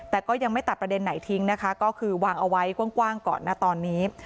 แต่ก็ยังไม่ตัดประเด็นไหนทิ้งนะคะก็คือวางเอาไว้กว้างก่อนนะตอนนี้